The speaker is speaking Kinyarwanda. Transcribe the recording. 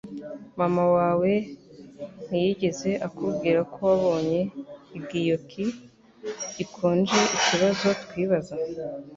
Mama wawe ntiyigeze akubwira ko wabonye igioki gikonjeikibazo twibaza